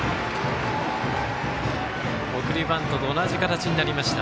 送りバントと同じ形になりました。